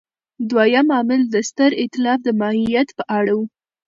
دویم عامل د ستر اېتلاف د ماهیت په اړه و.